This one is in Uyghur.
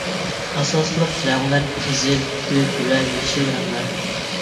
ئاساسلىق رەڭلەر قىزىل، كۆك، ۋە يېشىل رەڭلەر.